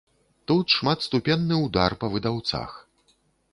Тут шматступенны ўдар па выдаўцах.